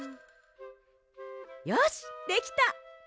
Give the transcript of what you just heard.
よしできた！